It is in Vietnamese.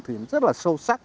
thì rất là sâu sắc